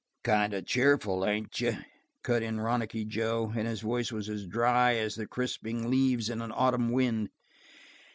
"Kind of cheerful, ain't you?" cut in Ronicky Joe, and his voice was as dry as the crisping leaves in an autumn wind.